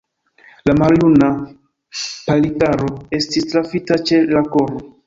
La maljuna Palikaro estis trafita ĉe la koro.